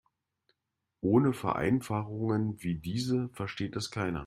Ohne Vereinfachungen wie diese versteht es keiner.